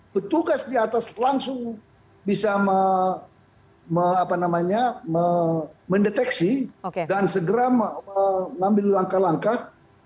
petugas di atas langsung bisa mendeteksi dan segera mengambil langkah langkah